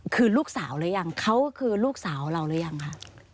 คือลูกสาวหรือยังเขาคือลูกสาวเราหรือยังคะ